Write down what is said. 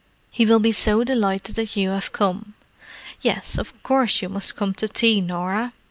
"He will be so delighted that you have come. Yes, of course you must come to tea, Norah.